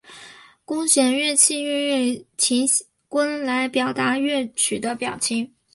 弓弦乐器运用琴弓以表达乐曲的表情。